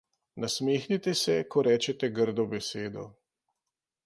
Nasmehnite se, ko rečete grdo besedo.